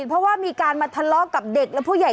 เพราะว่ามีการมาทะเลาะกับเด็กและผู้ใหญ่